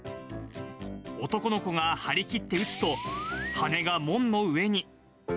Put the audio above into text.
男の子が張り切って打つと、羽根が門の上に。